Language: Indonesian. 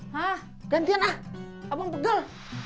hah gantian ah abang pegel